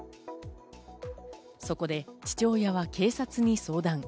そこで父親は警察に相談。